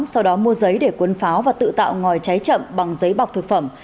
sau đó mua giấy để cuốn pháo và tự tạo ngòi cháy chậm bằng giấy bọc thực phẩm